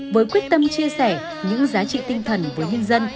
với quyết tâm chia sẻ những giá trị tinh thần với nhân dân